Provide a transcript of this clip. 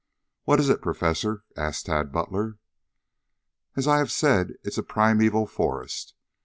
"What is it, Professor?" asked Tad Butler. "As I have said, it is a primeval forest.